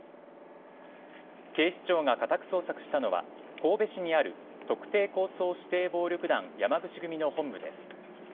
警視庁が家宅捜索したのは神戸市にある特定抗争指定暴力団山口組の本部です。